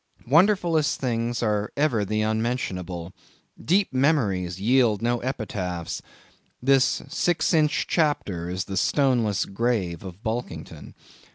Wonderfullest things are ever the unmentionable; deep memories yield no epitaphs; this six inch chapter is the stoneless grave of Bulkington.